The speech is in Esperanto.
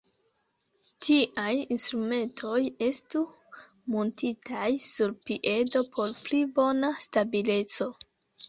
Tiaj instrumentoj estu muntitaj sur piedo por pli bona stabileco.